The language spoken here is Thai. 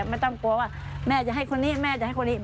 ไม่ต้องกลัวว่าแม่จะให้คนนี้แม่จะให้คนนี้